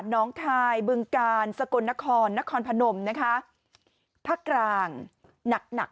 น้องคายบึงกาลสกลนครนครพนมนะคะภาคกลางหนักหนัก